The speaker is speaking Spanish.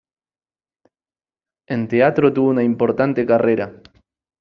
En teatro tuvo una importante carrera.